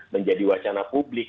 menjadi wacana publik